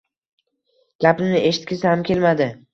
Gapimni eshitgisi ham kelmadi.